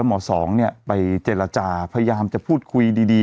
ว่าหมอสองไปเจรจาระพยายามจะพูดคุยดี